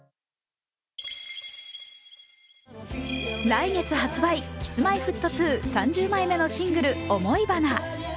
来月発売、Ｋｉｓ−Ｍｙ−Ｆｔ２３０枚目のシングル「想花」。